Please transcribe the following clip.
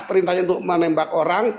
perintahnya untuk menembak orang